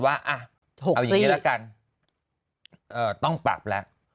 ว่าเอาอย่างนี้ละกันต้องปรับแล้ว